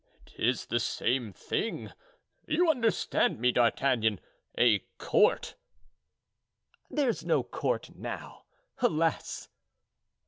"'Tis the same thing—you understand me, D'Artagnan—a court." "There's no court now. Alas!"